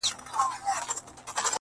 هغه خپل درد پټوي او له چا سره نه شريکوي,